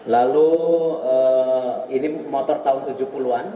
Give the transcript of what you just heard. lalu ini motor tahun tujuh puluh an